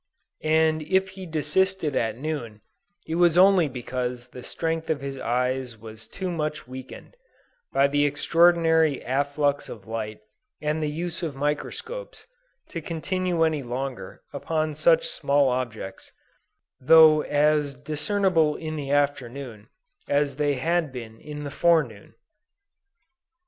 And if he desisted at noon, it was only because the strength of his eyes was too much weakened, by the extraordinary afflux of light and the use of microscopes, to continue any longer upon such small objects, though as discernible in the afternoon, as they had been in the forenoon."